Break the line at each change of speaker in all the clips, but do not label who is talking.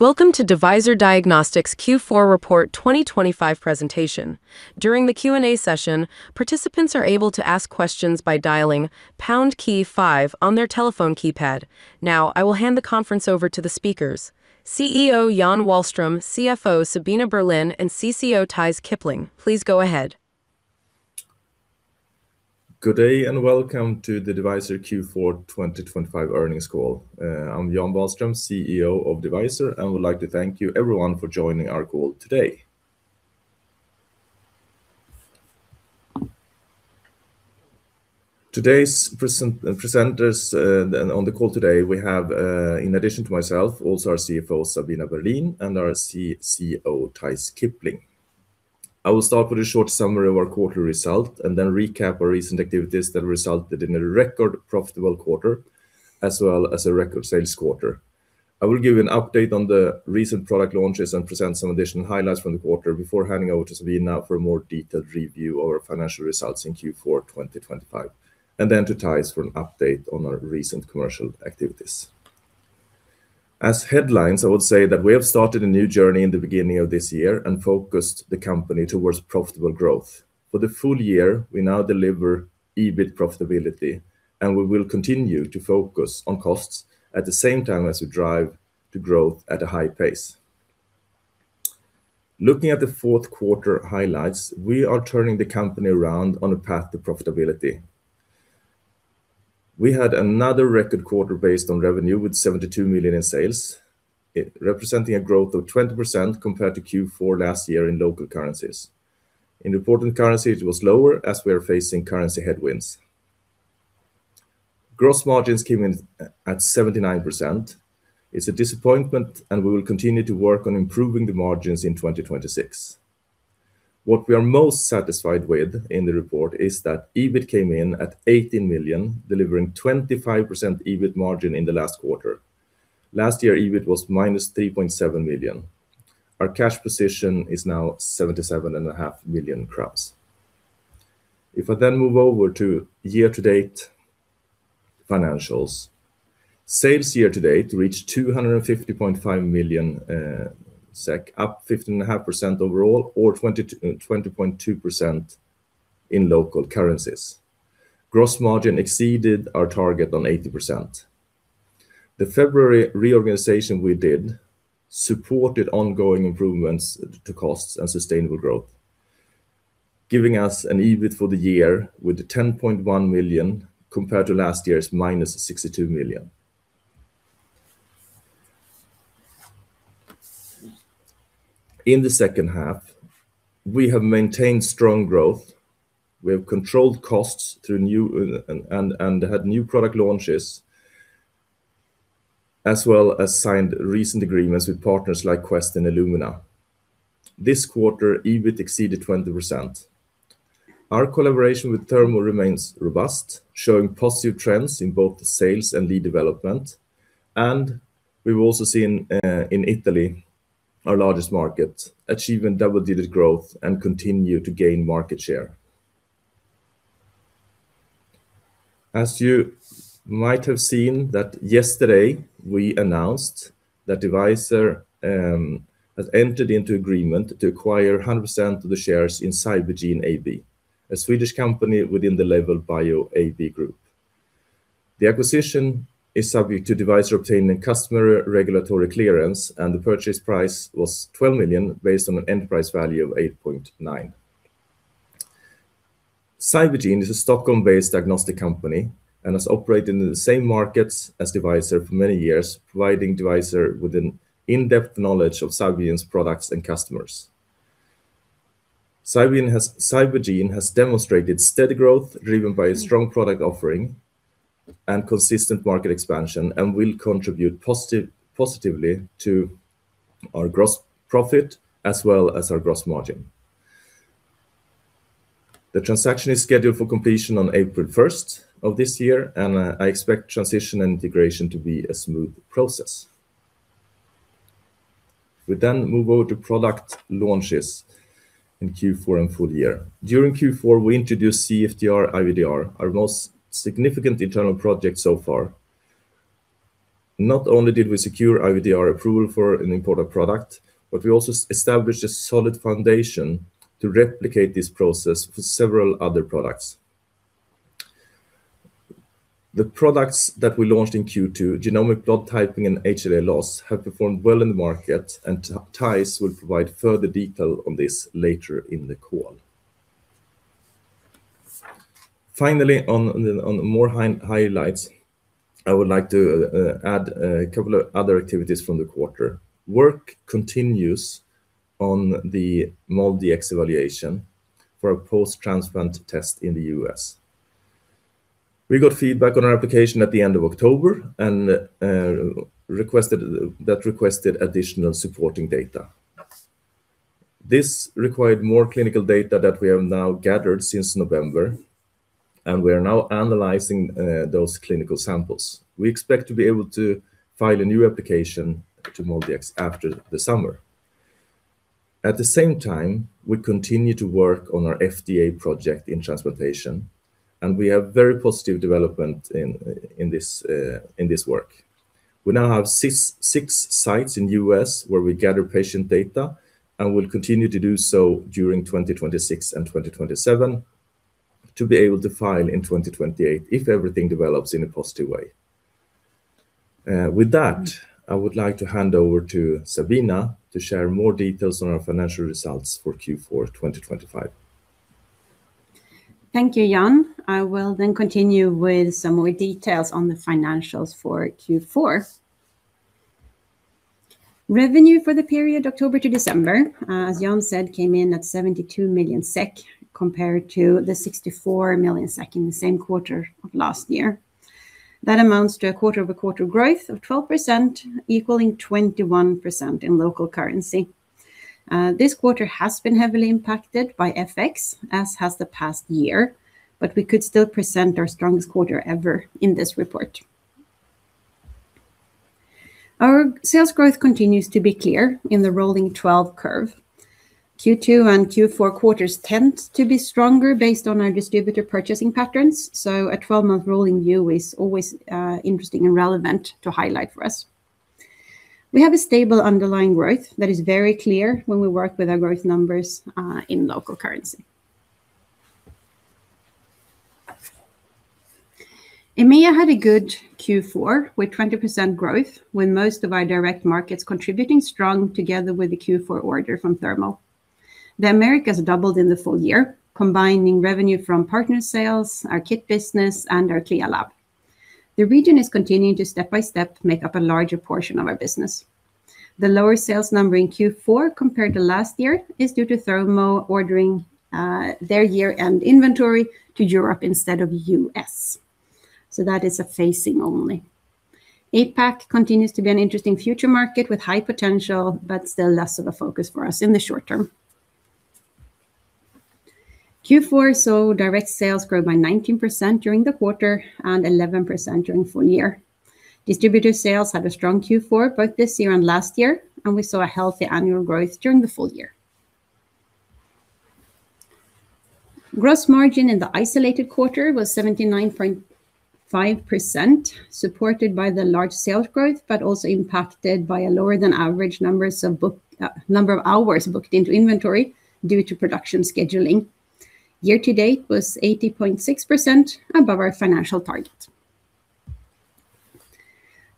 Welcome to Devyser Diagnostics Q4 Report 2025 presentation. During the Q&A session, participants are able to ask questions by dialing pound key five on their telephone keypad. Now, I will hand the conference over to the speakers, CEO Jan Wahlström, CFO Sabina Berlin, and CCO Theis Kipling. Please go ahead.
Good day, and welcome to the Devyser Q4 2025 Earnings Call. I'm Jan Wahlström, CEO of Devyser, and would like to thank everyone for joining our call today. Today's presenters, and on the call today, we have, in addition to myself, also our CFO, Sabina Berlin, and our CCO, Theis Kipling. I will start with a short summary of our quarterly result and then recap our recent activities that resulted in a record profitable quarter, as well as a record sales quarter. I will give you an update on the recent product launches and present some additional highlights from the quarter before handing over to Sabina for a more detailed review of our financial results in Q4 2025, and then to Theis for an update on our recent commercial activities. As headlines, I would say that we have started a new journey in the beginning of this year and focused the company towards profitable growth. For the full year, we now deliver EBIT profitability, and we will continue to focus on costs at the same time as we drive the growth at a high pace. Looking at the fourth quarter highlights, we are turning the company around on a path to profitability. We had another record quarter based on revenue with 72 million in sales, it representing a growth of 20% compared to Q4 last year in local currencies. In reported currency, it was lower as we are facing currency headwinds. Gross margins came in at 79%. It's a disappointment, and we will continue to work on improving the margins in 2026. What we are most satisfied with in the report is that EBIT came in at 18 million, delivering 25% EBIT margin in the last quarter. Last year, EBIT was -3.7 million. Our cash position is now 77.5 million crowns. If I then move over to year-to-date financials. Sales year-to-date reached 250.5 million SEK, up 15.5% overall or 20.2% in local currencies. Gross margin exceeded our target on 80%. The February reorganization we did, supported ongoing improvements to costs and sustainable growth, giving us an EBIT for the year with 10.1 million compared to last year's -62 million. In the second half, we have maintained strong growth, we have controlled costs through new and had new product launches, as well as signed recent agreements with partners like Quest and Illumina. This quarter, EBIT exceeded 20%. Our collaboration with Thermo remains robust, showing positive trends in both the sales and lead development, and we've also seen in Italy, our largest market, achieving double-digit growth and continue to gain market share. As you might have seen, yesterday we announced that Devyser has entered into agreement to acquire 100% of the shares in Cybergene AB, a Swedish company within the Level Bio AB group. The acquisition is subject to Devyser obtaining customary regulatory clearance, and the purchase price was 12 million, based on an enterprise value of 8.9 million. Cybergene is a Stockholm-based diagnostic company and has operated in the same markets as Devyser for many years, providing Devyser with an in-depth knowledge of Cybergene's products and customers. Cybergene has demonstrated steady growth, driven by a strong product offering and consistent market expansion, and will contribute positively to our gross profit as well as our gross margin. The transaction is scheduled for completion on April first of this year, and I expect transition and integration to be a smooth process. We then move over to product launches in Q4 and full year. During Q4, we introduced CFTR IVDR, our most significant internal project so far. Not only did we secure IVDR approval for an important product, but we also established a solid foundation to replicate this process for several other products. The products that we launched in Q2, genomic blood typing and HLA loss, have performed well in the market, and Theis will provide further detail on this later in the call. Finally, on the highlights, I would like to add a couple of other activities from the quarter. Work continues on the MolDX evaluation for a post-transplant test in the U.S. We got feedback on our application at the end of October and requested additional supporting data. This required more clinical data that we have now gathered since November, and we are now analyzing those clinical samples. We expect to be able to file a new application to MolDX after the summer. At the same time, we continue to work on our FDA project in transplantation, and we have very positive development in this work. We now have six, six sites in U.S. where we gather patient data, and we'll continue to do so during 2026 and 2027, to be able to file in 2028, if everything develops in a positive way. With that, I would like to hand over to Sabina to share more details on our financial results for Q4 2025.
Thank you, Jan. I will then continue with some more details on the financials for Q4. Revenue for the period October to December, as Jan said, came in at 72 million SEK, compared to the 64 million SEK in the same quarter of last year. That amounts to a quarter-over-quarter growth of 12%, equaling 21% in local currency. This quarter has been heavily impacted by FX, as has the past year, but we could still present our strongest quarter ever in this report. Our sales growth continues to be clear in the rolling 12 curve. Q2 and Q4 quarters tend to be stronger based on our distributor purchasing patterns, so a 12-month rolling view is always, interesting and relevant to highlight for us. We have a stable underlying growth that is very clear when we work with our growth numbers, in local currency. EMEA had a good Q4, with 20% growth, with most of our direct markets contributing strong together with the Q4 order from Thermo. The Americas doubled in the full year, combining revenue from partner sales, our kit business, and our CLIA Lab. The region is continuing to, step by step, make up a larger portion of our business. The lower sales number in Q4 compared to last year is due to Thermo ordering their year-end inventory to Europe instead of U.S. So that is a phasing only. APAC continues to be an interesting future market with high potential, but still less of a focus for us in the short term. Q4 saw direct sales grow by 19% during the quarter and 11% during full year. Distributor sales had a strong Q4, both this year and last year, and we saw a healthy annual growth during the full year. Gross margin in the isolated quarter was 79.5%, supported by the large sales growth, but also impacted by a lower than average number of hours booked into inventory due to production scheduling. Year to date was 80.6%, above our financial target.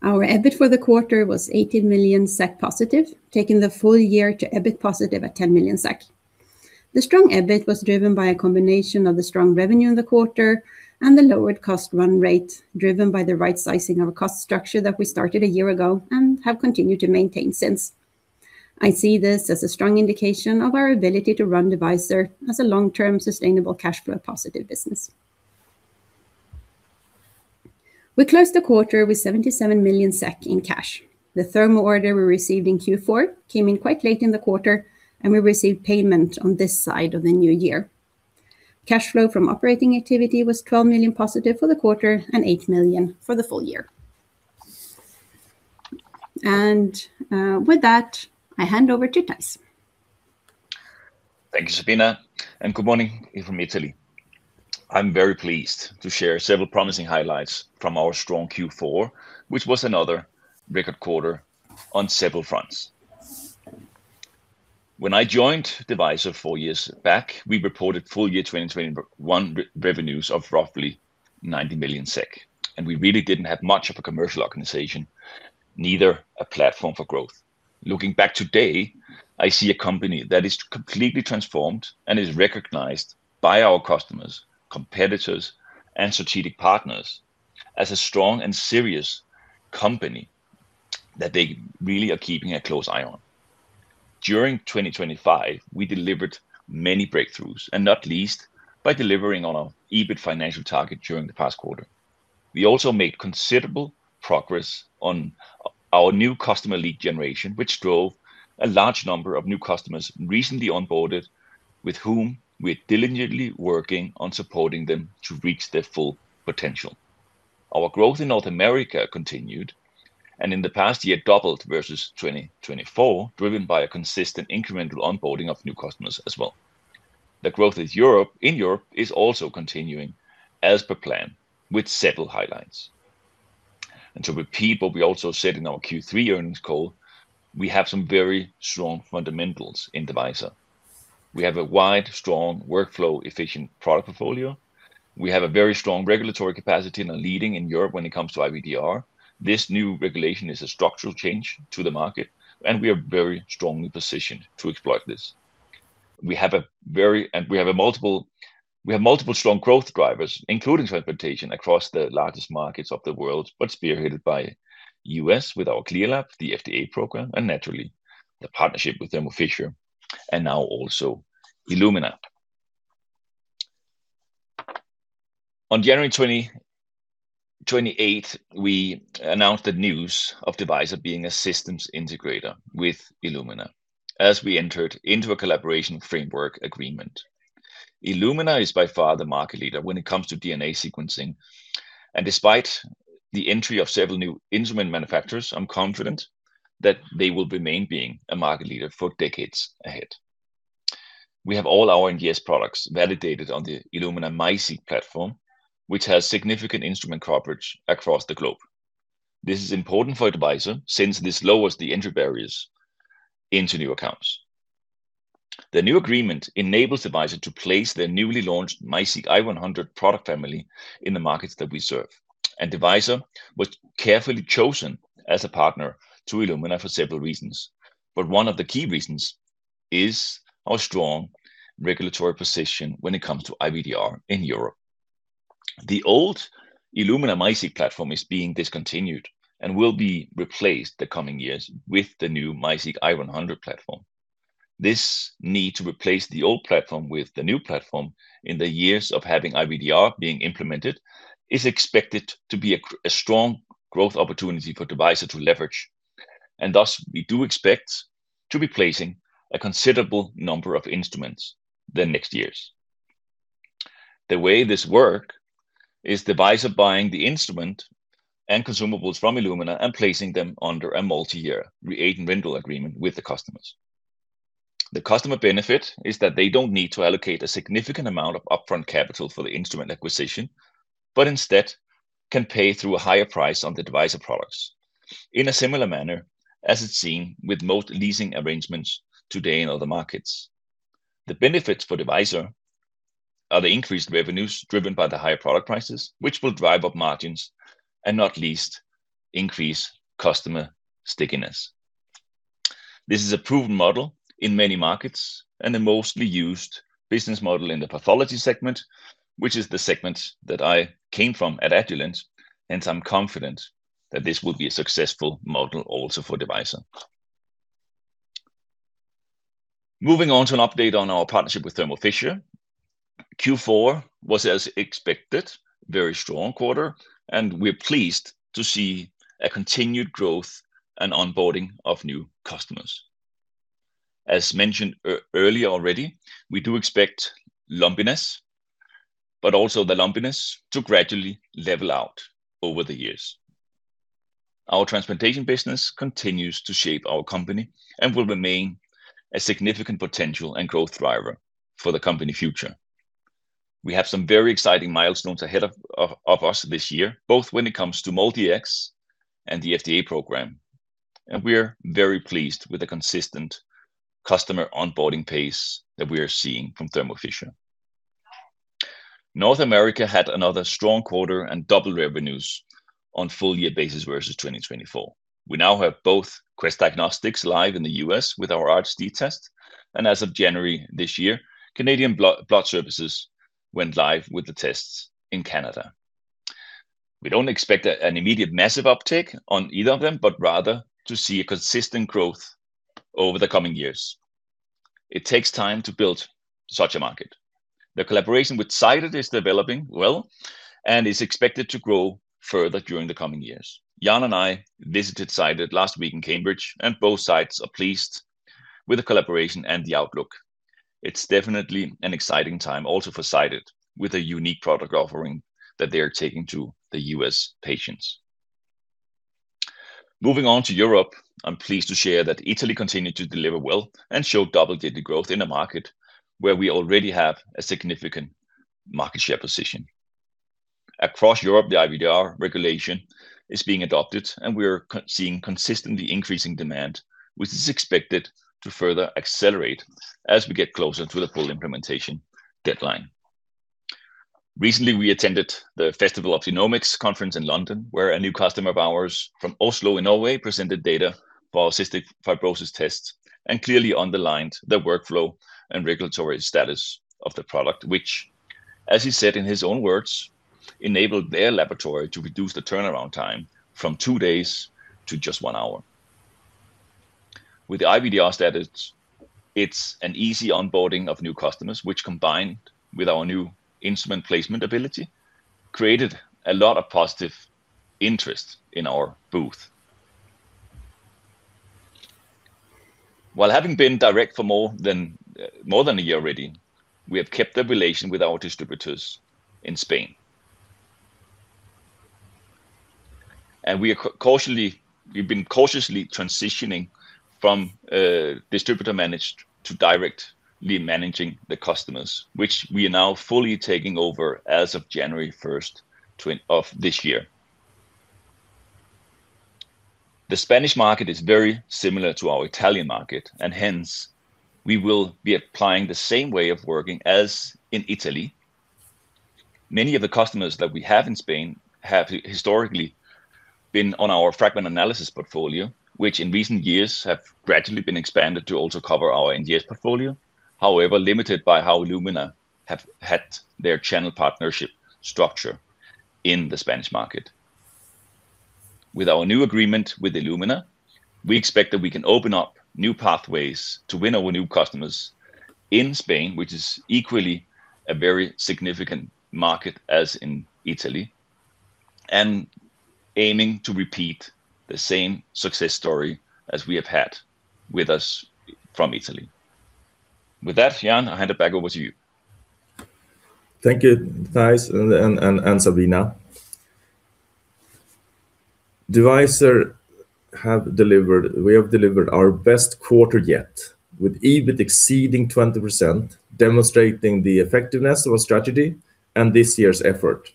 Our EBIT for the quarter was 18 million SEK positive, taking the full year to EBIT positive at 10 million SEK. The strong EBIT was driven by a combination of the strong revenue in the quarter and the lowered cost run rate, driven by the right sizing of our cost structure that we started a year ago and have continued to maintain since. I see this as a strong indication of our ability to run Devyser as a long-term, sustainable, cash flow positive business. We closed the quarter with 77 million SEK in cash. The Thermo order we received in Q4 came in quite late in the quarter, and we received payment on this side of the new year. Cash flow from operating activity was 12 million positive for the quarter and 8 million for the full year. And, with that, I hand over to Theis.
Thank you, Sabina, and good morning from Italy. I'm very pleased to share several promising highlights from our strong Q4, which was another record quarter on several fronts. When I joined Devyser four years back, we reported full year 2021 revenues of roughly 90 million SEK, and we really didn't have much of a commercial organization, neither a platform for growth. Looking back today, I see a company that is completely transformed and is recognized by our customers, competitors, and strategic partners as a strong and serious company that they really are keeping a close eye on. During 2025, we delivered many breakthroughs, and not least, by delivering on our EBIT financial target during the past quarter. We also made considerable progress on our new customer lead generation, which drove a large number of new customers recently onboarded, with whom we are diligently working on supporting them to reach their full potential. Our growth in North America continued, and in the past year, doubled versus 2024, driven by a consistent incremental onboarding of new customers as well. The growth in Europe, in Europe is also continuing as per plan, with several highlights. And to repeat what we also said in our Q3 earnings call, we have some very strong fundamentals in Devyser. We have a wide, strong, workflow-efficient product portfolio. We have a very strong regulatory capacity and are leading in Europe when it comes to IVDR. This new regulation is a structural change to the market, and we are very strongly positioned to exploit this. We have multiple strong growth drivers, including transplantation across the largest markets of the world, but spearheaded by U.S. with our CLIA Lab, the FDA program, and naturally, the partnership with Thermo Fisher, and now also Illumina. On January 28, we announced the news of Devyser being a systems integrator with Illumina as we entered into a collaboration framework agreement. Illumina is by far the market leader when it comes to DNA sequencing, and despite the entry of several new instrument manufacturers, I'm confident that they will remain being a market leader for decades ahead. We have all our NGS products validated on the Illumina MiSeq platform, which has significant instrument coverage across the globe. This is important for Devyser, since this lowers the entry barriers into new accounts. The new agreement enables Devyser to place their newly launched MiSeq i100 product family in the markets that we serve. Devyser was carefully chosen as a partner to Illumina for several reasons, but one of the key reasons is our strong regulatory position when it comes to IVDR in Europe. The old Illumina MiSeq platform is being discontinued and will be replaced the coming years with the new MiSeq i100 platform. This need to replace the old platform with the new platform in the years of having IVDR being implemented is expected to be a strong growth opportunity for Devyser to leverage, and thus, we do expect to be placing a considerable number of instruments the next years. The way this work is Devyser buying the instrument and consumables from Illumina and placing them under a multi-year aid and rental agreement with the customers. The customer benefit is that they don't need to allocate a significant amount of upfront capital for the instrument acquisition, but instead can pay through a higher price on the Devyser products. In a similar manner, as it's seen with most leasing arrangements today in other markets. The benefits for Devyser are the increased revenues driven by the higher product prices, which will drive up margins and not least, increase customer stickiness. This is a proven model in many markets and the mostly used business model in the pathology segment, which is the segment that I came from at Agilent, and I'm confident that this will be a successful model also for Devyser. Moving on to an update on our partnership with Thermo Fisher. Q4 was, as expected, very strong quarter, and we're pleased to see a continued growth and onboarding of new customers. As mentioned earlier already, we do expect lumpiness, but also the lumpiness to gradually level out over the years. Our transplantation business continues to shape our company and will remain a significant potential and growth driver for the company future. We have some very exciting milestones ahead of us this year, both when it comes to MolDX and the FDA program, and we are very pleased with the consistent customer onboarding pace that we are seeing from Thermo Fisher. North America had another strong quarter and double revenues on full year basis versus 2024. We now have both Quest Diagnostics live in the U.S. with our RHD test, and as of January this year, Canadian Blood Services went live with the tests in Canada. We don't expect an immediate massive uptake on either of them, but rather to see a consistent growth over the coming years. It takes time to build such a market. The collaboration with Cyted is developing well and is expected to grow further during the coming years. Jan and I visited Cyted last week in Cambridge, and both sides are pleased with the collaboration and the outlook. It's definitely an exciting time also for Cyted, with a unique product offering that they are taking to the U.S. patients. Moving on to Europe, I'm pleased to share that Italy continued to deliver well and show double-digit growth in a market where we already have a significant market share position. Across Europe, the IVDR regulation is being adopted, and we are seeing consistently increasing demand, which is expected to further accelerate as we get closer to the full implementation deadline. Recently, we attended the Festival of Genomics conference in London, where a new customer of ours from Oslo in Norway presented data for our cystic fibrosis test and clearly underlined the workflow and regulatory status of the product, which, as he said in his own words, enabled their laboratory to reduce the turnaround time from two days to just one hour. With the IVDR status, it's an easy onboarding of new customers, which, combined with our new instrument placement ability, created a lot of positive interest in our booth. While having been direct for more than a year already, we have kept the relation with our distributors in Spain. We are cautiously, we've been cautiously transitioning from distributor managed to directly managing the customers, which we are now fully taking over as of January 1, 2024. The Spanish market is very similar to our Italian market, and hence, we will be applying the same way of working as in Italy. Many of the customers that we have in Spain have historically been on our Fragment Analysis portfolio, which in recent years have gradually been expanded to also cover our NGS portfolio. However, limited by how Illumina have had their channel partnership structure in the Spanish market. With our new agreement with Illumina, we expect that we can open up new pathways to win over new customers in Spain, which is equally a very significant market as in Italy... and aiming to repeat the same success story as we have had with us from Italy. With that, Jan, I hand it back over to you.
Thank you, Theis and Sabina. Devyser have delivered, we have delivered our best quarter yet, with EBIT exceeding 20%, demonstrating the effectiveness of our strategy and this year's effort.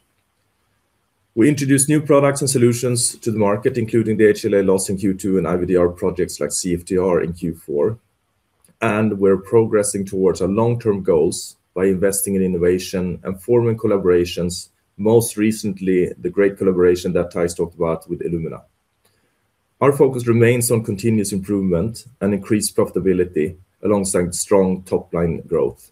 We introduced new products and solutions to the market, including the HLA loss in Q2 and IVDR projects like CFTR in Q4, and we're progressing towards our long-term goals by investing in innovation and forming collaborations, most recently, the great collaboration that Theis talked about with Illumina. Our focus remains on continuous improvement and increased profitability, alongside strong top-line growth.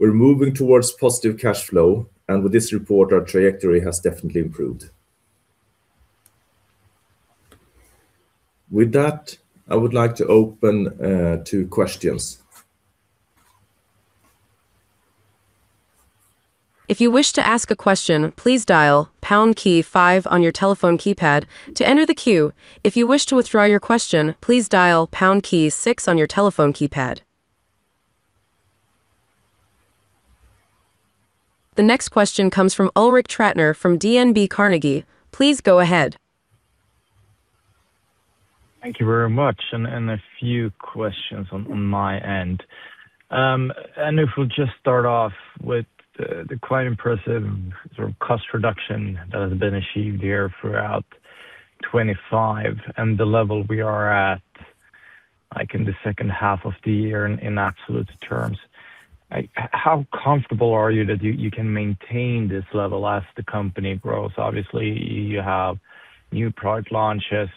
We're moving towards positive cash flow, and with this report, our trajectory has definitely improved. With that, I would like to open to questions.
If you wish to ask a question, please dial pound key five on your telephone keypad to enter the queue. If you wish to withdraw your question, please dial pound key six on your telephone keypad. The next question comes from Ulrik Trattner from Carnegie. Please go ahead.
Thank you very much, and a few questions on my end. And if we'll just start off with the quite impressive sort of cost reduction that has been achieved here throughout 2025 and the level we are at, like in the second half of the year in absolute terms. How comfortable are you that you can maintain this level as the company grows? Obviously, you have new product launches,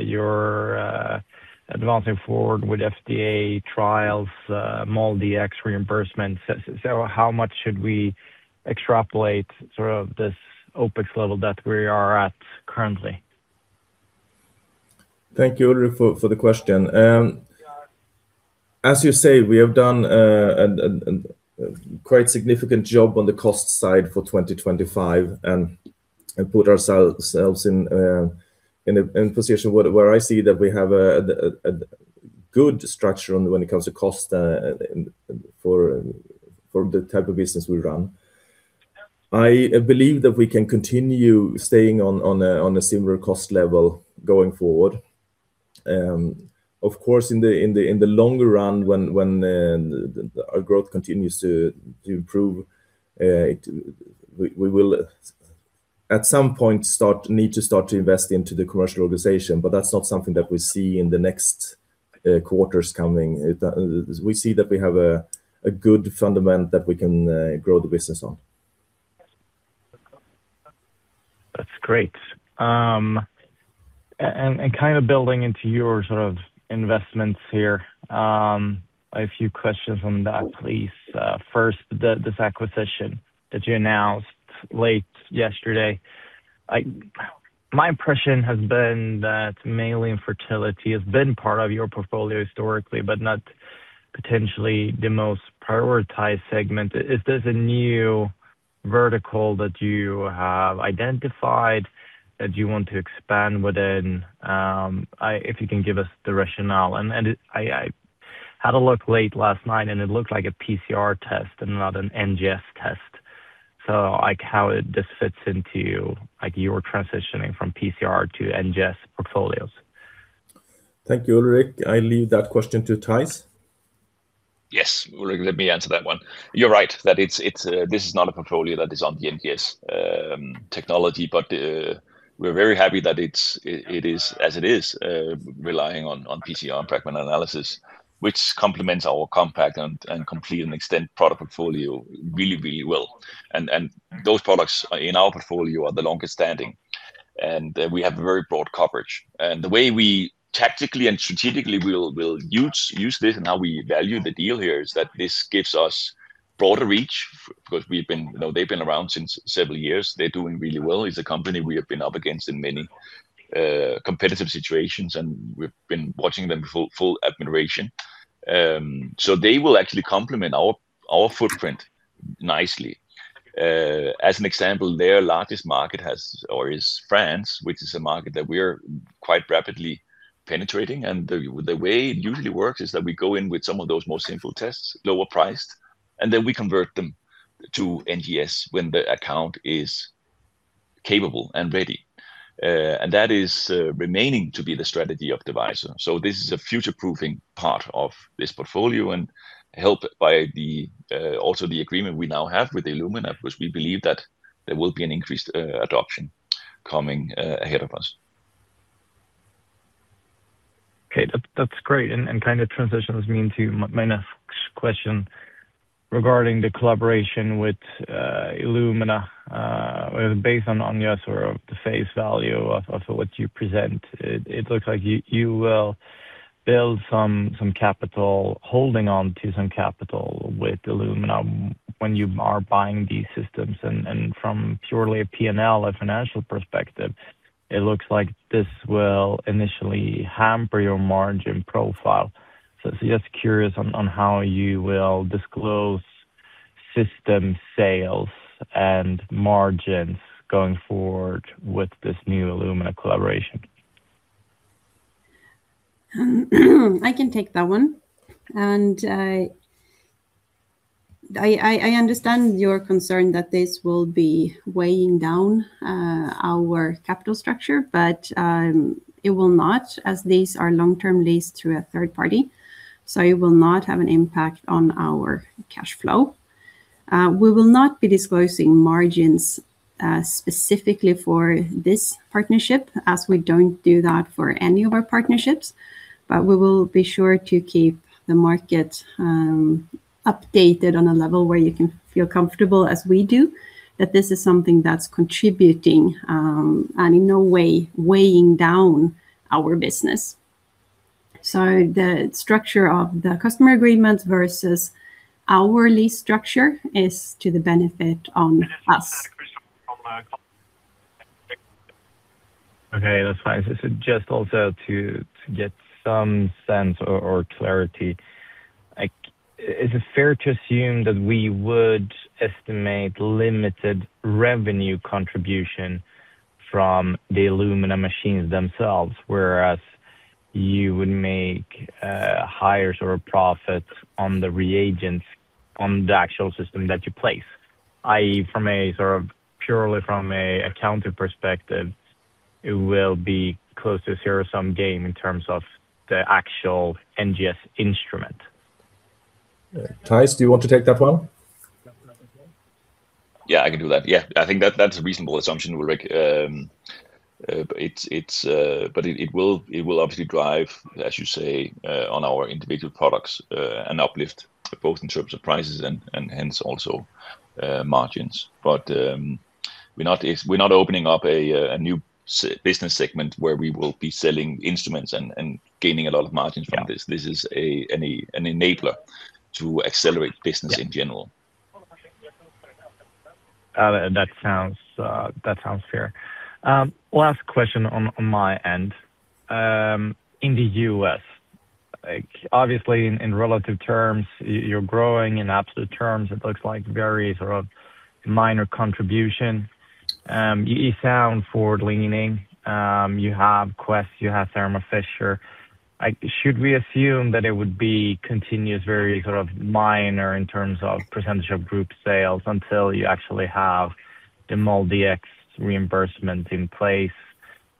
you're advancing forward with FDA trials, MolDX reimbursement. So how much should we extrapolate sort of this OpEx level that we are at currently?
Thank you, Ulrik, for the question. As you say, we have done a quite significant job on the cost side for 2025 and put ourselves in a position where I see that we have a good structure on when it comes to cost and for the type of business we run. I believe that we can continue staying on a similar cost level going forward. Of course, in the longer run, when our growth continues to improve, we will at some point need to start to invest into the commercial organization, but that's not something that we see in the next quarters coming. We see that we have a good foundation that we can grow the business on.
That's great. And kind of building into your sort of investments here, a few questions on that, please. First, this acquisition that you announced late yesterday. My impression has been that mainly infertility has been part of your portfolio historically, but not potentially the most prioritized segment. Is this a new vertical that you have identified that you want to expand within? If you can give us the rationale, and I had a look late last night, and it looked like a PCR test and not an NGS test. So, like, how this fits into, like, your transitioning from PCR to NGS portfolios?
Thank you, Ulrik. I leave that question to Theis.
Yes, Ulrik, let me answer that one. You're right, that it's, it's this is not a portfolio that is on the NGS technology, but we're very happy that it's, it, it is as it is, relying on, on PCR and fragment analysis, which complements our compact and, and complete and extensive product portfolio really, really well. And, and those products in our portfolio are the longest standing, and we have a very broad coverage. And the way we tactically and strategically will, will use, use this and how we value the deal here, is that this gives us broader reach, because we've been, you know, they've been around since several years. They're doing really well. It's a company we have been up against in many, competitive situations, and we've been watching them with full, full admiration. So they will actually complement our footprint nicely. As an example, their largest market is France, which is a market that we're quite rapidly penetrating, and the way it usually works is that we go in with some of those more simple tests, lower priced, and then we convert them to NGS when the account is capable and ready. And that is remaining to be the strategy of Devyser. So this is a future-proofing part of this portfolio and helped by also the agreement we now have with Illumina, which we believe that there will be an increased adoption coming ahead of us.
Okay. That's great, and kind of transitions me into my next question regarding the collaboration with Illumina. Based on your sort of the face value of what you present, it looks like you will build some capital, holding on to some capital with Illumina when you are buying these systems. And from purely a P&L, a financial perspective, it looks like this will initially hamper your margin profile. So just curious on how you will disclose system sales and margins going forward with this new Illumina collaboration?
I can take that one. I understand your concern that this will be weighing down our capital structure, but it will not, as these are long-term lease through a third party. So it will not have an impact on our cash flow. We will not be disclosing margins specifically for this partnership, as we don't do that for any of our partnerships. But we will be sure to keep the market updated on a level where you can feel comfortable as we do, that this is something that's contributing and in no way weighing down our business. So the structure of the customer agreements versus our lease structure is to the benefit on us.
Okay, that's fine. So just also to get some sense or clarity, like, is it fair to assume that we would estimate limited revenue contribution from the Illumina machines themselves, whereas you would make higher sort of profits on the reagents on the actual system that you place? i.e., from a sort of purely from a accounting perspective, it will be close to a zero-sum game in terms of the actual NGS instrument.
Theis, do you want to take that one?
Yeah, I can do that. Yeah, I think that's a reasonable assumption, Ulrik. But it will obviously drive, as you say, on our individual products an uplift, both in terms of prices and hence also margins. But we're not opening up a new business segment where we will be selling instruments and gaining a lot of margins from this.
Yeah.
This is an enabler to accelerate business-
Yeah
-in general.
That sounds fair. Last question on my end. In the U.S., like, obviously, in relative terms, you're growing. In absolute terms, it looks like very sort of minor contribution. You sound forward-leaning. You have Quest, you have Thermo Fisher. Should we assume that it would be continuous, very sort of minor in terms of percentage of group sales until you actually have the MolDX reimbursement in place?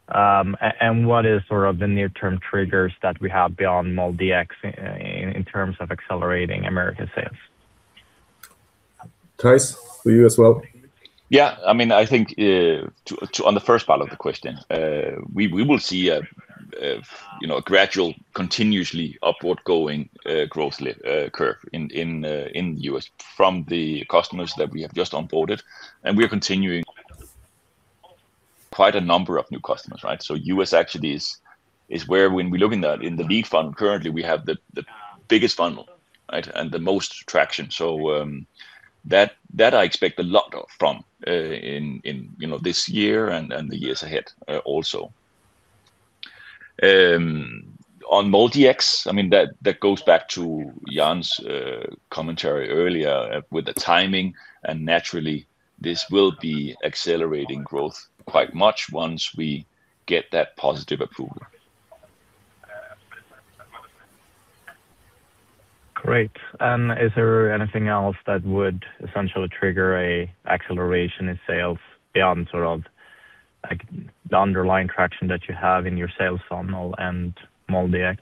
And what is sort of the near-term triggers that we have beyond MolDX in terms of accelerating American sales?
Theis, for you as well.
Yeah, I mean, I think, to... On the first part of the question, we will see a, you know, a gradual, continuously upward going growth line curve in the U.S. from the customers that we have just onboarded, and we are continuing quite a number of new customers, right? So U.S. actually is where when we look in the lead funnel, currently, we have the biggest funnel, right? And the most traction. So, that I expect a lot of from, in, you know, this year and the years ahead, also. On MolDX, I mean, that goes back to Jan's commentary earlier, with the timing, and naturally, this will be accelerating growth quite much once we get that positive approval.
Great. Is there anything else that would essentially trigger an acceleration in sales beyond sort of, like, the underlying traction that you have in your sales funnel and MultiX?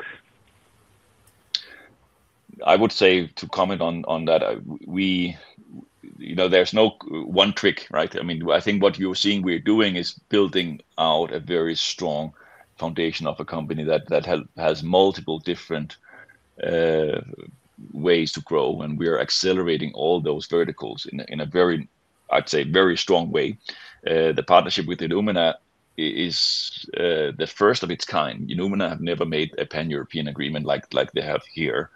I would say to comment on that, we. You know, there's no one trick, right? I mean, I think what you're seeing we're doing is building out a very strong foundation of a company that has multiple different ways to grow, and we are accelerating all those verticals in a very, I'd say, very strong way. The partnership with Illumina is the first of its kind. Illumina have never made a Pan-European agreement like they have here.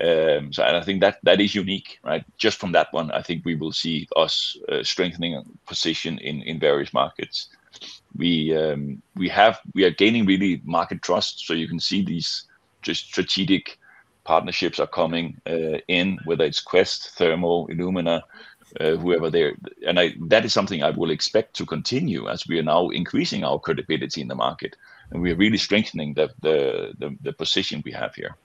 So and I think that is unique, right? Just from that one, I think we will see us strengthening our position in various markets. We, we are gaining really market trust, so you can see these just strategic partnerships are coming in, whether it's Quest, Thermo, Illumina, whoever they... That is something I will expect to continue as we are now increasing our credibility in the market, and we are really strengthening the position we have here.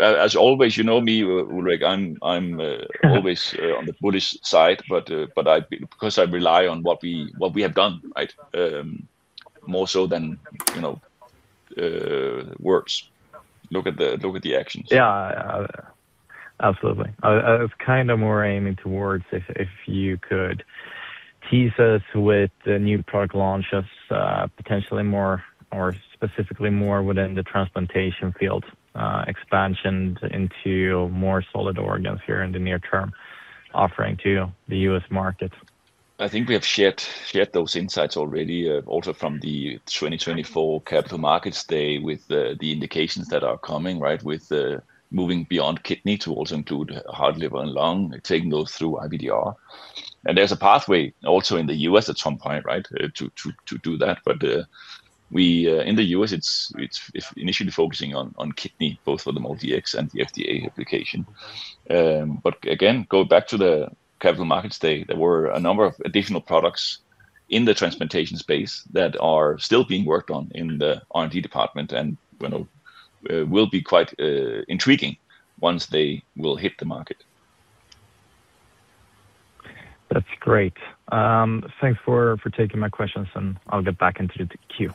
As always, you know me, Ulrik, I'm always on the bullish side, but because I rely on what we have done, right? More so than, you know, words. Look at the actions.
Yeah, absolutely. I was kind of more aiming towards if you could tease us with the new product launches, potentially more or specifically more within the transplantation field, expansion into more solid organs here in the near term, offering to the U.S. market.
I think we have shared, shared those insights already, also from the 2024 capital markets day with the, the indications that are coming, right? With the moving beyond kidney to also include heart, liver, and lung, taking those through IVDR. And there's a pathway also in the U.S. at some point, right? To, to, to do that, but, we, in the U.S., it's, it's, it's initially focusing on, on kidney, both for the MultiX and the FDA application. But again, go back to the capital markets day, there were a number of additional products in the transplantation space that are still being worked on in the R&D department, and, you know, will be quite, intriguing once they will hit the market.
That's great. Thanks for taking my questions, and I'll get back into the queue.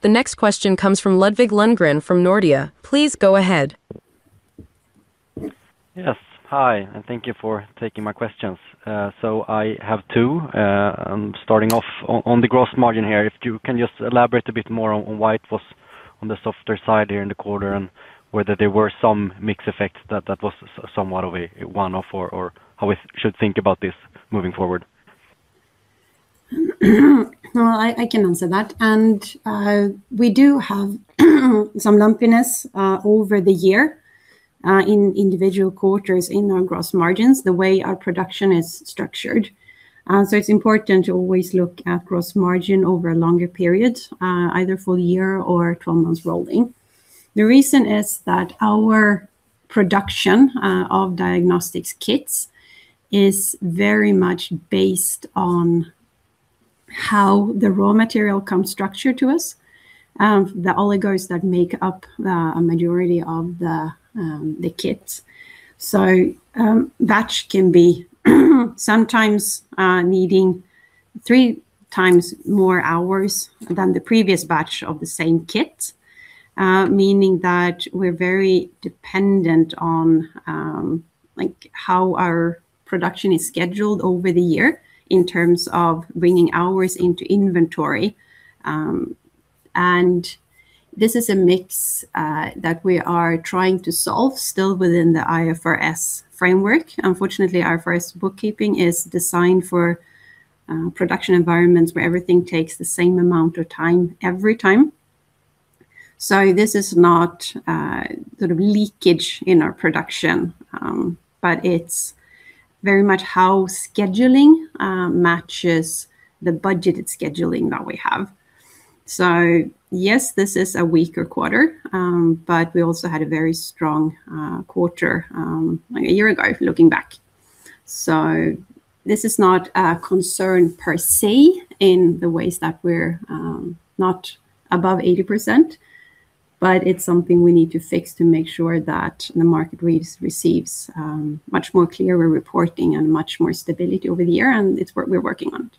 The next question comes from Ludvig Lundgren from Nordea. Please go ahead.
Yes. Hi, and thank you for taking my questions. So I have two. I'm starting off on the gross margin here. If you can just elaborate a bit more on why it was on the softer side here in the quarter, and whether there were some mix effects that was somewhat of a one-off or how we should think about this moving forward?
Well, I can answer that. We do have some lumpiness over the year in individual quarters in our gross margins, the way our production is structured. So it's important to always look at gross margin over a longer period, either full year or 12 months rolling. The reason is that our production of diagnostics kits is very much based on how the raw material comes structured to us, the oligos that make up the majority of the kits. So batch can be sometimes needing 3x more hours than the previous batch of the same kit, meaning that we're very dependent on like how our production is scheduled over the year in terms of bringing hours into inventory. And this is a mix that we are trying to solve still within the IFRS framework. Unfortunately, IFRS bookkeeping is designed for production environments where everything takes the same amount of time every time. So this is not sort of leakage in our production, but it's very much how scheduling matches the budgeted scheduling that we have. So yes, this is a weaker quarter, but we also had a very strong quarter a year ago, looking back. So this is not a concern per se, in the ways that we're not above 80%, but it's something we need to fix to make sure that the market receives much more clearer reporting and much more stability over the year, and it's what we're working on.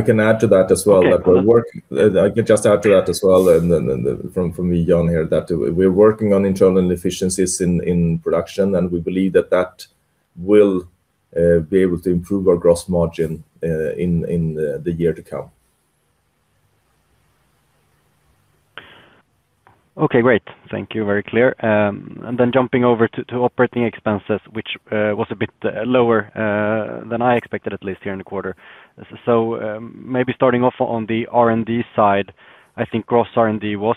I can add to that as well-
Okay.
I can just add to that as well, and then from me, Jan, here, that we're working on internal efficiencies in production, and we believe that that will be able to improve our gross margin in the year to come.
Okay, great. Thank you. Very clear. And then jumping over to operating expenses, which was a bit lower than I expected, at least here in the quarter. So, maybe starting off on the R&D side, I think gross R&D was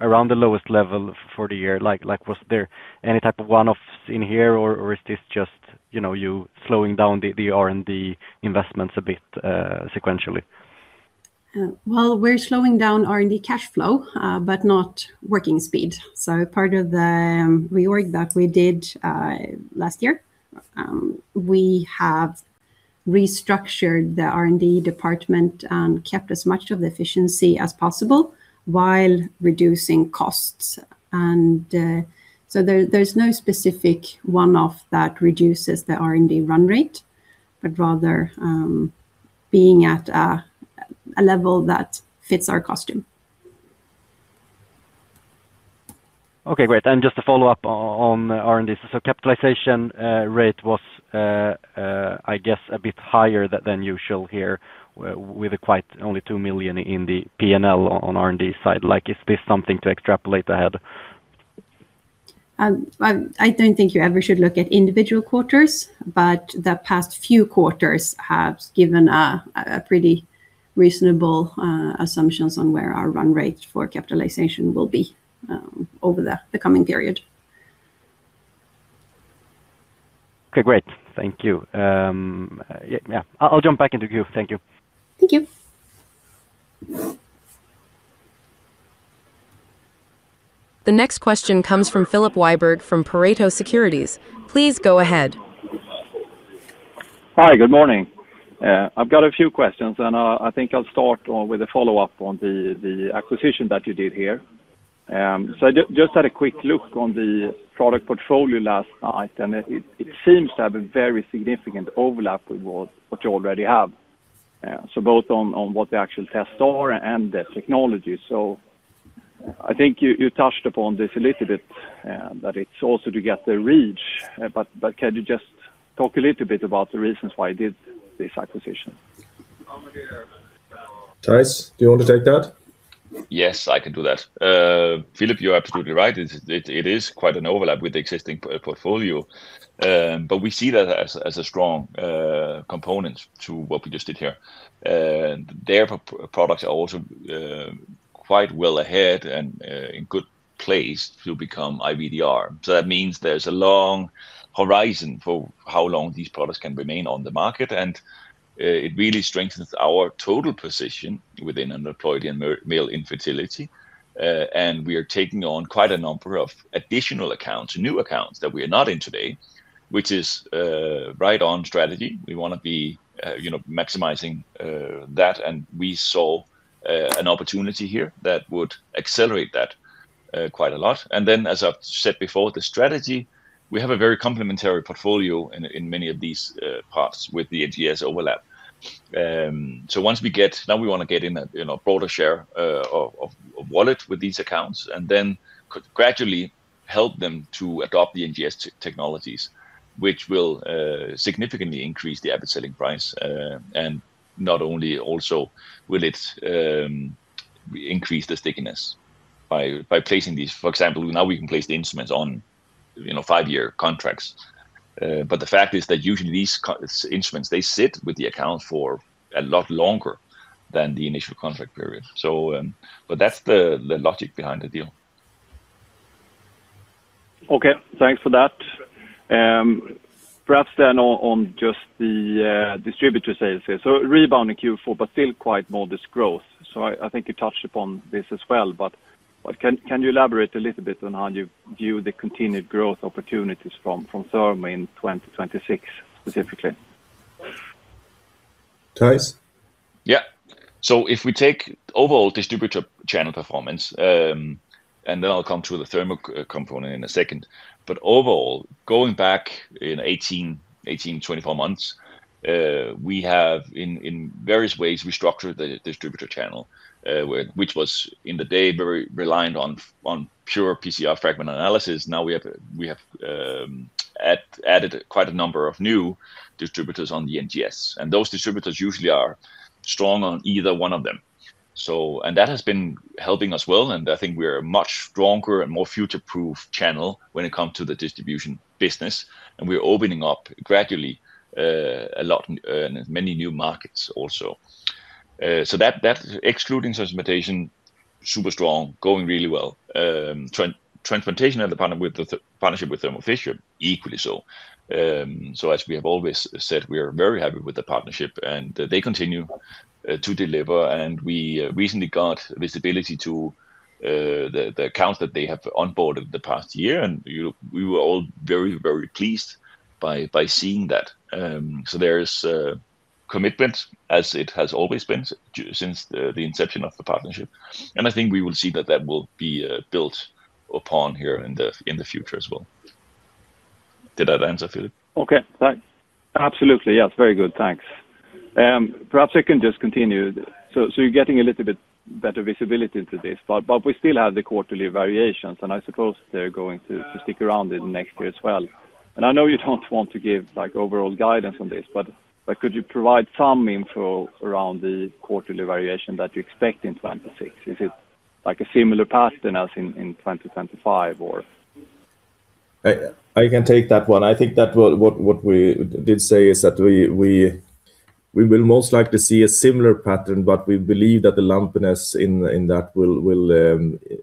around the lowest level for the year. Like, was there any type of one-offs in here, or is this just, you know, you slowing down the R&D investments a bit, sequentially?
Well, we're slowing down R&D cash flow, but not working speed. So part of the reorg that we did last year, we have restructured the R&D department and kept as much of the efficiency as possible while reducing costs. So, there's no specific one-off that reduces the R&D run rate, but rather, being at a level that fits our customer.
Okay, great. And just a follow-up on R&D. So capitalization rate was, I guess, a bit higher than usual here, with quite only 2 million in the P&L on R&D side. Like, is this something to extrapolate ahead?
I don't think you ever should look at individual quarters, but the past few quarters have given a pretty reasonable assumptions on where our run rate for capitalization will be over the coming period.
Okay, great. Thank you. Yeah, yeah. I'll jump back into queue. Thank you.
Thank you.
The next question comes from Filip Wiberg, from Pareto Securities. Please go ahead.
Hi, good morning. I've got a few questions, and I think I'll start off with a follow-up on the acquisition that you did here. So I just had a quick look on the product portfolio last night, and it seems to have a very significant overlap with what you already have. So both on what the actual tests are and the technology. So I think you touched upon this a little bit, but it's also to get the reach. But can you just talk a little bit about the reasons why you did this acquisition?
Theis, do you want to take that?
Yes, I can do that. Filip, you're absolutely right. It is quite an overlap with the existing portfolio. But we see that as a strong component to what we just did here. Their products are also quite well ahead and in good place to become IVDR. So that means there's a long horizon for how long these products can remain on the market, and it really strengthens our total position within aneuploidy and male infertility. And we are taking on quite a number of additional accounts, new accounts that we are not in today, which is right on strategy. We want to be, you know, maximizing that, and we saw an opportunity here that would accelerate that quite a lot. As I've said before, the strategy, we have a very complementary portfolio in many of these paths with the NGS overlap. So once we get, now we want to get a broader share of wallet with these accounts and then gradually help them to adopt the NGS technologies, which will significantly increase the average selling price. And not only will it increase the stickiness by placing these. For example, now we can place the instruments on five-year contracts. But the fact is that usually these instruments, they sit with the account for a lot longer than the initial contract period. So but that's the logic behind the deal.
Okay, thanks for that. Perhaps then on just the distributor sales here. So rebounding Q4, but still quite modest growth. So I think you touched upon this as well, but can you elaborate a little bit on how you view the continued growth opportunities from Thermo in 2026, specifically?
Theis?
Yeah. So if we take overall distributor channel performance, and then I'll come to the Thermo component in a second. But overall, going back 18 to 24 months, we have in various ways restructured the distributor channel, which was, in the day, very reliant on pure PCR fragment analysis. Now we have added quite a number of new distributors on the NGS, and those distributors usually are strong on either one of them. So... And that has been helping us well, and I think we are a much stronger and more future-proof channel when it comes to the distribution business, and we're opening up gradually a lot in many new markets also. So that, excluding instrumentation, super strong, going really well. Transplantation and the partnership with Thermo Fisher, equally so. So as we have always said, we are very happy with the partnership, and they continue to deliver. And we recently got visibility to the accounts that they have onboarded the past year, and we were all very, very pleased by seeing that. So there is a commitment, as it has always been since the inception of the partnership, and I think we will see that that will be built upon here in the future as well. Did that answer, Filip?
Okay, thanks. Absolutely. Yes, very good. Thanks. Perhaps I can just continue. So, so you're getting a little bit better visibility into this, but, but we still have the quarterly variations, and I suppose they're going to, to stick around in next year as well. And I know you don't want to give, like, overall guidance on this, but, but could you provide some info around the quarterly variation that you expect in 2026? Is it like a similar pattern as in, in 2025, or?
I can take that one. I think that what we did say is that we will most likely see a similar pattern, but we believe that the lumpiness in that will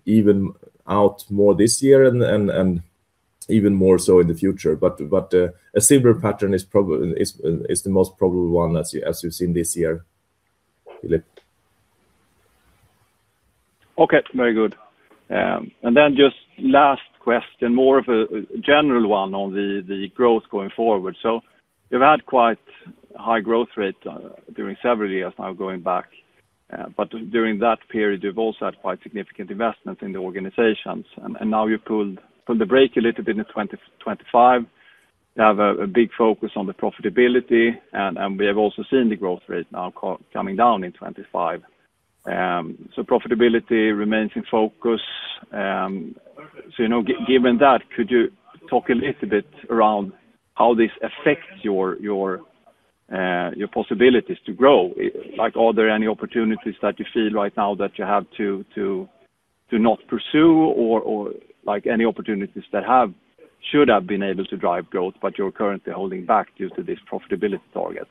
even out more this year and even more so in the future. But a similar pattern is the most probable one, as you've seen this year, Filip.
Okay, very good. And then just last question, more of a general one on the growth going forward. So you've had quite high growth rate during several years now, going back, but during that period, you've also had quite significant investments in the organizations. And now you've pulled the brake a little bit in 2025. You have a big focus on the profitability, and we have also seen the growth rate now coming down in 2025. So profitability remains in focus. So, you know, given that, could you talk a little bit around how this affects your possibilities to grow? Like, are there any opportunities that you feel right now that you have to not pursue, or like any opportunities that should have been able to drive growth, but you're currently holding back due to this profitability target?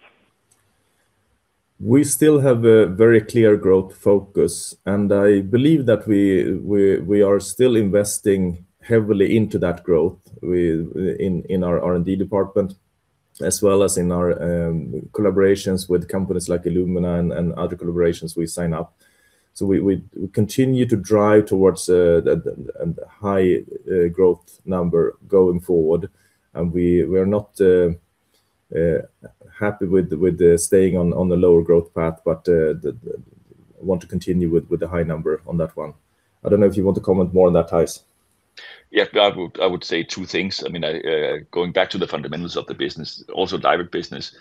We still have a very clear growth focus, and I believe that we are still investing heavily into that growth within our R&D department, as well as in our collaborations with companies like Illumina and other collaborations we sign up. So we continue to drive towards a high growth number going forward, and we are not happy with the staying on the lower growth path, but we want to continue with the high number on that one. I don't know if you want to comment more on that, Theis.
Yeah, I would, I would say two things. I mean, going back to the fundamentals of the business, also direct business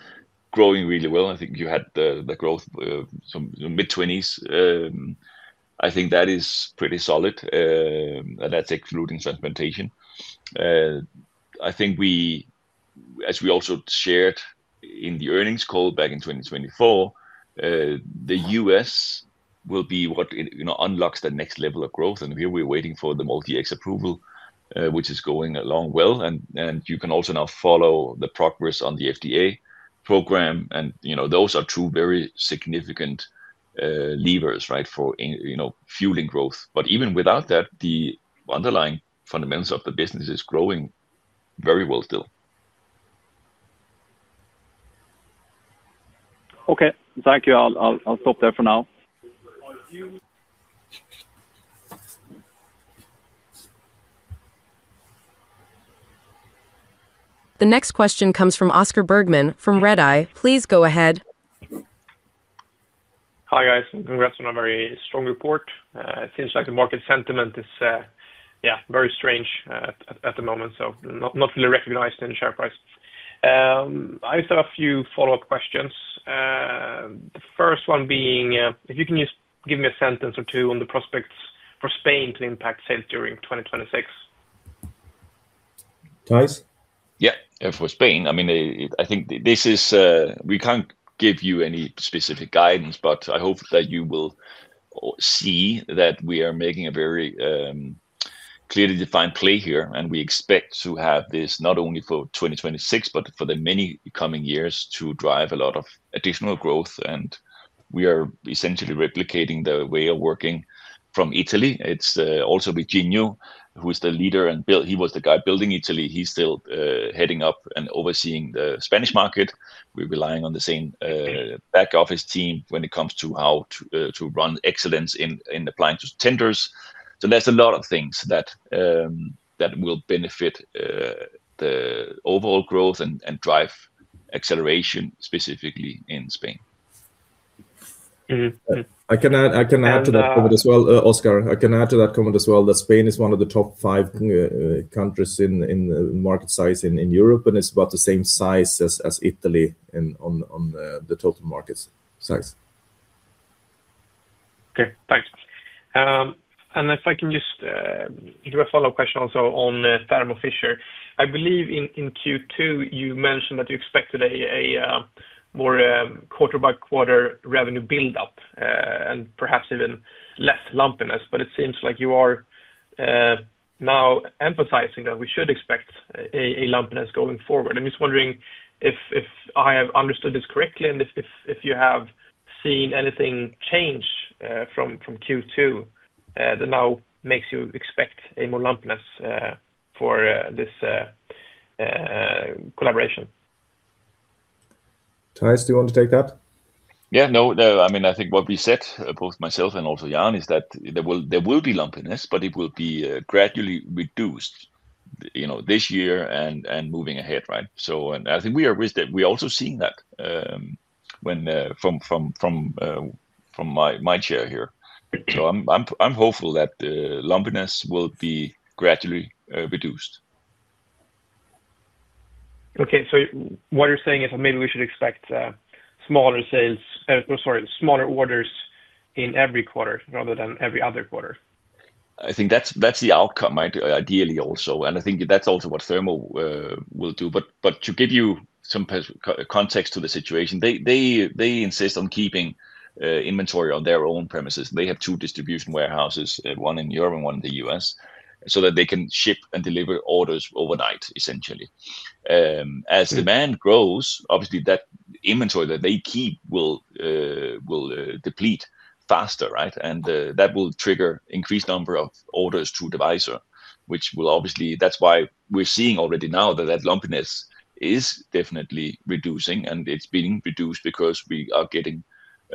growing really well. I think you had the, the growth, some mid-20s. I think that is pretty solid, and that's excluding instrumentation. I think we, as we also shared in the earnings call back in 2024, the U.S. will be what, you know, unlocks the next level of growth, and here we're waiting for the MolDX approval, which is going along well. And you can also now follow the progress on the FDA program, and, you know, those are two very significant levers, right, for, you know, fueling growth. But even without that, the underlying fundamentals of the business is growing well... very well still.
Okay, thank you. I'll stop there for now.
The next question comes from Oscar Bergman from Redeye. Please go ahead.
Hi, guys. Congrats on a very strong report. It seems like the market sentiment is, yeah, very strange at the moment, so not really recognized in the share price. I just have a few follow-up questions. The first one being, if you can just give me a sentence or two on the prospects for Spain to impact sales during 2026.
Theis?
Yeah. For Spain, I mean, I think this is, we can't give you any specific guidance, but I hope that you will see that we are making a very clearly defined play here, and we expect to have this not only for 2026, but for the many coming years to drive a lot of additional growth, and we are essentially replicating the way of working from Italy. It's also Virginio, who is the leader and he was the guy building Italy. He's still heading up and overseeing the Spanish market. We're relying on the same back office team when it comes to how to run excellence in applying to tenders. So there's a lot of things that will benefit the overall growth and drive acceleration, specifically in Spain.
Mm-hmm.
I can add to that comment as well, Oscar, that Spain is one of the top five countries in market size in Europe, and it's about the same size as Italy in the total market size.
Okay, thanks. And if I can just give a follow-up question also on Thermo Fisher. I believe in Q2, you mentioned that you expected a more quarter by quarter revenue build-up, and perhaps even less lumpiness, but it seems like you are now emphasizing that we should expect a lumpiness going forward. I'm just wondering if I have understood this correctly, and if you have seen anything change from Q2 that now makes you expect a more lumpiness for this collaboration.
Theis, do you want to take that?
Yeah. No, no. I mean, I think what we said, both myself and also Jan, is that there will be lumpiness, but it will be gradually reduced, you know, this year and moving ahead, right? So and I think we are risk that we are also seeing that, when from my chair here. So I'm hopeful that the lumpiness will be gradually reduced.
Okay, so what you're saying is that maybe we should expect, smaller sales, or sorry, smaller orders in every quarter rather than every other quarter?
I think that's the outcome, ideally, also, and I think that's also what Thermo will do. But to give you some context to the situation, they insist on keeping inventory on their own premises. They have two distribution warehouses, one in Europe and one in the U.S., so that they can ship and deliver orders overnight, essentially. As demand grows, obviously, that inventory that they keep will deplete faster, right? And that will trigger increased number of orders through Devyser, which will obviously—that's why we're seeing already now that lumpiness is definitely reducing, and it's being reduced because we are getting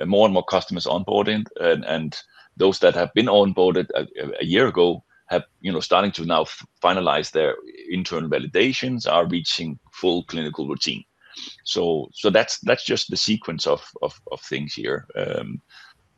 more and more customers onboarding. And those that have been onboarded a year ago have, you know, starting to now finalize their internal validations, are reaching full clinical routine. That's just the sequence of things here.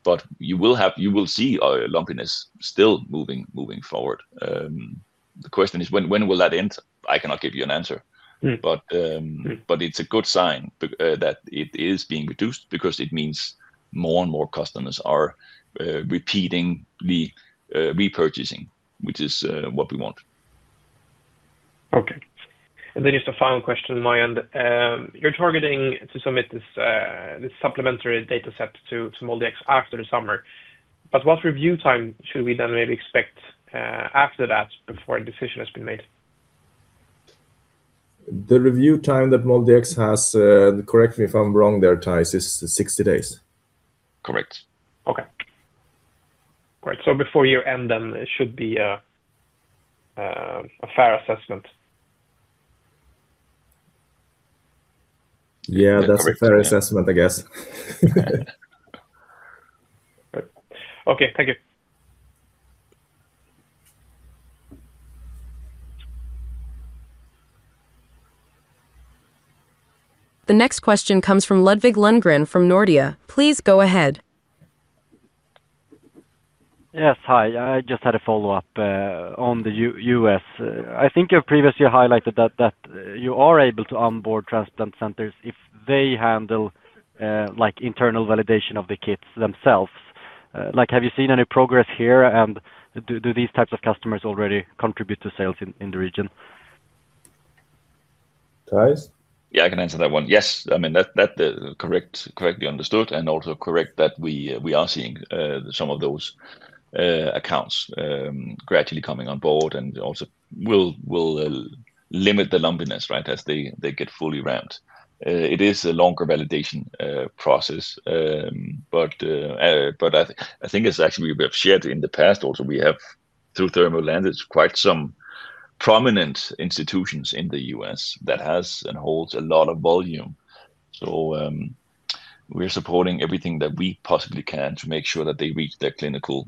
But you will have, you will see our lumpiness still moving forward. The question is when will that end? I cannot give you an answer.
Mm-hmm.
It's a good sign that it is being reduced because it means more and more customers are repeating the repurchasing, which is what we want.
Okay. And then just a final question on my end. You're targeting to submit this supplementary data set to MolDX after the summer, but what review time should we then maybe expect, after that, before a decision has been made?
The review time that MolDX has, correct me if I'm wrong there, Theis, is 60 days.
Correct.
Okay. Great, so before year-end, then, it should be a, a fair assessment.
Yeah, that's a fair assessment, I guess.
Okay, thank you.
The next question comes from Ludvig Lundgren from Nordea. Please go ahead.
Yes, hi. I just had a follow-up on the U.S. I think you previously highlighted that you are able to onboard transplant centers if they handle, like, internal validation of the kits themselves. Like, have you seen any progress here, and do these types of customers already contribute to sales in the region?
Theis?
Yeah, I can answer that one. Yes, I mean, that correctly understood, and also correct that we are seeing some of those accounts gradually coming on board and also will limit the lumpiness, right, as they get fully ramped. It is a longer validation process, but I think it's actually we have shared in the past also, we have, through Thermo Fisher, and it's quite some prominent institutions in the U.S. that has and holds a lot of volume. So, we're supporting everything that we possibly can to make sure that they reach their clinical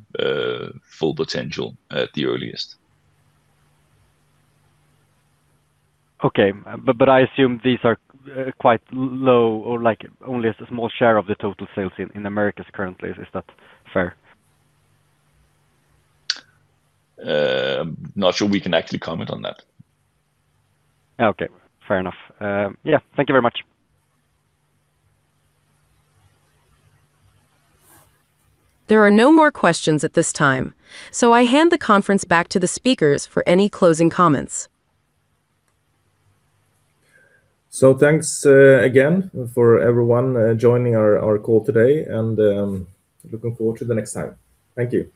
full potential at the earliest.
Okay. But I assume these are quite low or like only a small share of the total sales in Americas currently. Is that fair?
I'm not sure we can actually comment on that.
Okay, fair enough. Yeah, thank you very much.
There are no more questions at this time, so I hand the conference back to the speakers for any closing comments.
So thanks, again, for everyone joining our call today, and looking forward to the next time. Thank you.